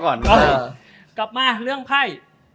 กลับมาเรื่องไพ่